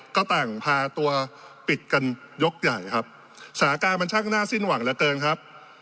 ก็ต่างพาตัวปิดกันยกใหญ่ครับสถานการณ์มันช่างหน้าสิ้นหวังเหลือเกินครับ